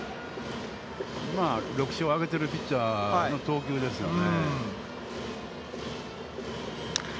６勝上げているピッチャーの投球ですよね。